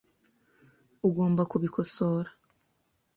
Ugomba kubikosora .